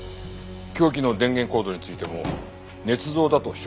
凶器の電源コードについても捏造だと主張しています。